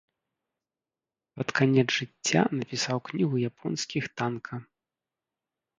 Пад канец жыцця напісаў кнігу японскіх танка.